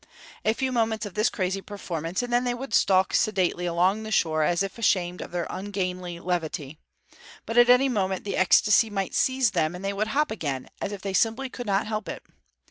A few moments of this crazy performance, and then they would stalk sedately along the shore, as if ashamed of their ungainly levity; but at any moment the ecstasy might seize them and they would hop again, as if they simply could not help it.